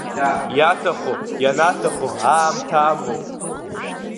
Иаҭаху ианаҭаху аамҭа амоуп.